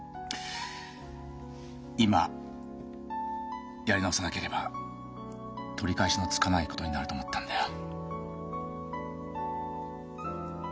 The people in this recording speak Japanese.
今やり直さなければ取り返しのつかないことになると思ったんだよ。